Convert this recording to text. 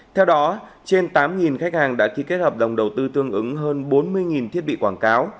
theo đó trên tám khách hàng đã ký kết hợp đồng đầu tư tương ứng hơn bốn mươi thiết bị quảng cáo